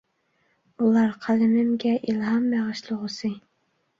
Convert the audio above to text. ئۇلار قەلىمىمگە ئىلھام بېغىشلىغۇسى.